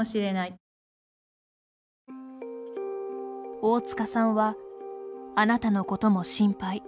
大塚さんはあなたのことも心配。